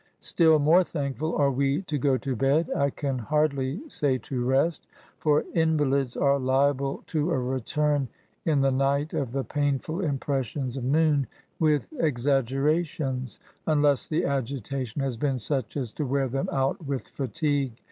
Still more thankful are we to go to bed — I can hardly say to rest — ^for invalids are liable to a return in the night of the painful impressions of noon^ with exaggerations, unless the agitation has been such as to wear them out with fatigue.